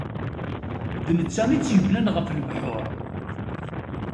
D netta i tt-ibnan ɣef lebḥur.